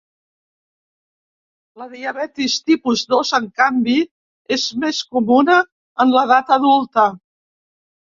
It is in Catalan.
La diabetis tipus dos, en canvi, és més comuna en l’edat adulta.